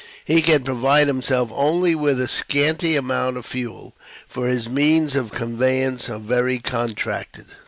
He can provide himself only with a scanty amount of fuel, for his means of conveyance are very contracted.